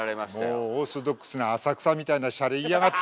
もうオーソドックスな浅草みたいなシャレ言いやがって！